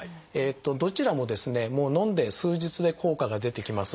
どちらもですねのんで数日で効果が出てきます。